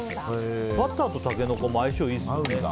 バターとタケノコも相性いいですよね。